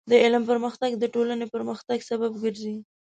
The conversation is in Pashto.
د علم پرمختګ د ټولنې پرمختګ سبب ګرځي.